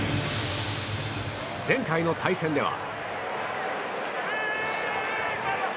前回の対戦では。